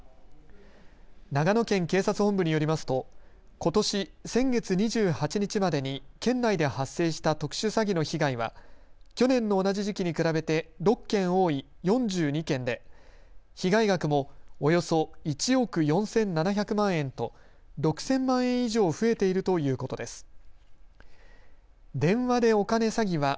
長野県警察本部によりますとことし先月２８日までに県内で発生した特殊詐欺の被害は去年の同じ時期に比べて６件多い４２件で被害額もおよそ１億４７００万円と６０００万円以上増えているということです。